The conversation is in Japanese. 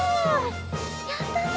やったね！